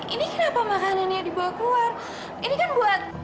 ini kenapa makanannya dibawa keluar ini kan buat